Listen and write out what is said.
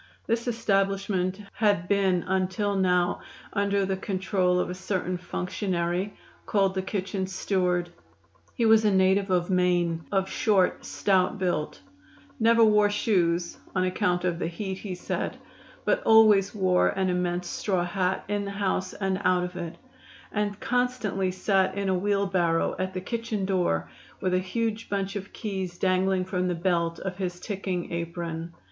This establishment had been until now under the control of a certain functionary called the kitchen steward. He was a native of Maine, of short, stout build; never wore shoes (on account of the heat, he said), but always wore an immense straw hat in the house and out of it, and constantly sat in a wheelbarrow at the kitchen door with a huge bunch of keys dangling from the belt of his ticking apron.